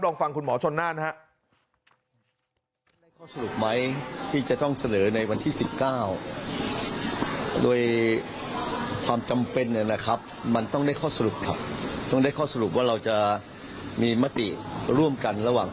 ลองฟังคุณหมอชนน่านนะครับ